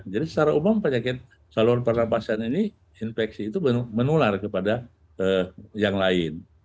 jadi secara umum penyakit saluran pernafasan ini infeksi itu menular kepada yang lain